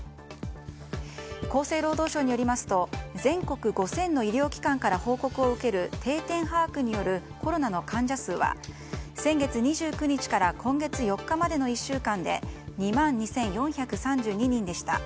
厚生労働省によりますと全国５０００の医療機関から報告を受ける定点把握によるコロナの患者数は先月２９日から今月４日までの１週間で２万２４３２人でした。